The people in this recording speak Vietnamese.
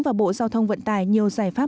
và bộ giao thông vận tài nhiều giải pháp